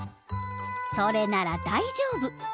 それなら大丈夫。